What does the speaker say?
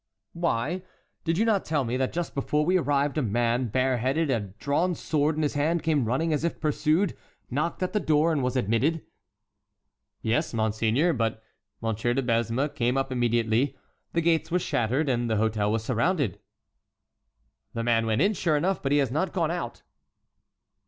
"Why? Did you not tell me that just before we arrived a man, bare headed, a drawn sword in his hand, came running, as if pursued, knocked at the door, and was admitted?" "Yes, monseigneur; but M. de Besme came up immediately, the gates were shattered, and the hôtel was surrounded." "The man went in sure enough, but he has not gone out."